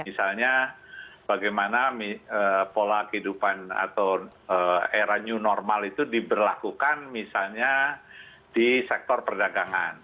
misalnya bagaimana pola kehidupan atau era new normal itu diberlakukan misalnya di sektor perdagangan